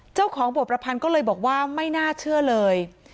เจ้าของบทประพันธ์ก็เลยบอกว่าไม่น่าเชื่อเลย